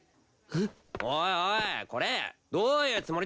おいおいこれどういうつもりだ？